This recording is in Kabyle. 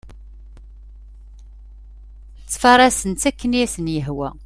Ttfarasen-tt akken i asen-yehwa.